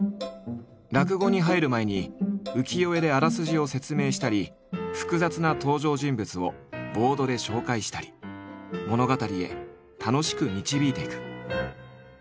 落語に入る前に浮世絵であらすじを説明したり複雑な登場人物をボードで紹介したり物語へ楽しく導いていく。